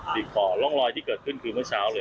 บีบคอค่ะบีบคอร่องรอยที่เกิดขึ้นคือเมื่อเช้าเลยใช่